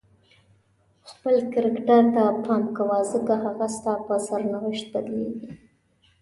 خپل کرکټر ته پام کوه ځکه هغه ستا په سرنوشت بدلیږي.